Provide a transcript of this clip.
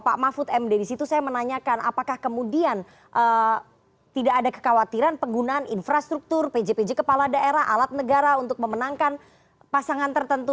pak mahfud md di situ saya menanyakan apakah kemudian tidak ada kekhawatiran penggunaan infrastruktur pj pj kepala daerah alat negara untuk memenangkan pasangan tertentu